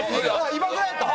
今ぐらいやったん？